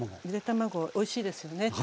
ゆで卵おいしいですよね